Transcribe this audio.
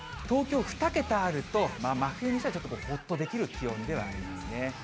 東京、２桁あると、まあ真冬にしてはほっとできる気温ではありますね。